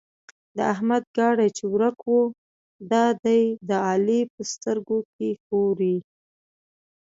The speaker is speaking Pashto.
د احمد ګاډی چې ورک وو؛ دا دی د علي په سترګو کې ښوري.